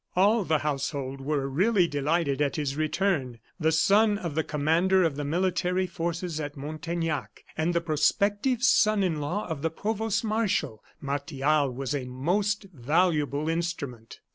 All the household were really delighted at his return; the son of the commander of the military forces at Montaignac, and the prospective son in law of the provost marshal, Martial was a most valuable instrument.